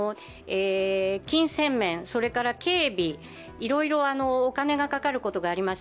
金銭面、警備、いろいろお金がかかることがあります。